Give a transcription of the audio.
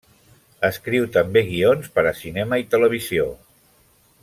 Escriu també guions per a cinema i televisió.